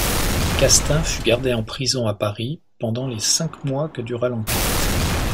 Castaing fut gardé en prison à Paris pendant les cinq mois que dura l’enquête.